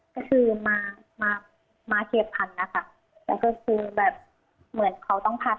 ก็คือมาเกียรติภัณฑ์นะคะแล้วก็คือแบบเหมือนเขาต้องพาตัดเร็ว